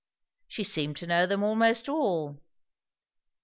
She seemed to know them almost all.